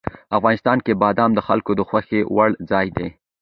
افغانستان کې بادام د خلکو د خوښې وړ ځای دی.